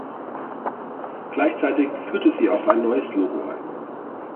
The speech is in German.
Gleichzeitig führte sie auch ein neues Logo ein.